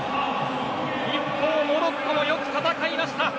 一方のモロッコもよく戦いました。